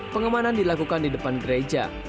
pengamanan dilakukan di depan gereja